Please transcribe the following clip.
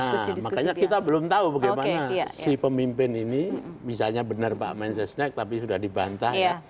nah makanya kita belum tahu bagaimana si pemimpin ini misalnya benar pak mensesnek tapi sudah dibantah ya